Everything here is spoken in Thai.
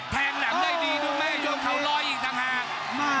แทงแหลมได้ดีดูไหมช่วงเขาล้อยอีกสังหาภาพ